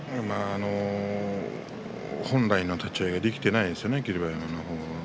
本来の立ち合いができていないですね、霧馬山の。